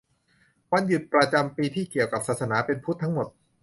- วันหยุดประจำปี ที่เกี่ยวกับศาสนา เป็นพุทธทั้งหมด